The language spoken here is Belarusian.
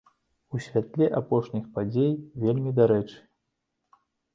У святле апошніх падзей вельмі дарэчы!